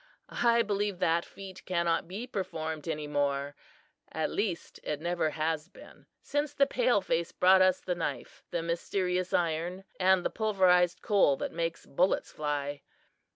"I believe that feat cannot be performed any more; at least, it never has been since the pale face brought us the knife, the 'mysterious iron,' and the pulverized coal that makes bullets fly.